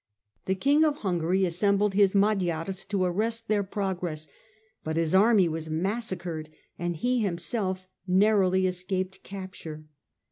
The King of Hungary assembled his Magyars to arrest their pro gress, but his army was massacred and he himself narrowly escaped capture.